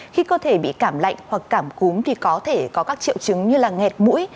khi cơ thể bị cảm lạnh hoặc cảm cúm thì có thể có các triệu chứng như ngẹt mũi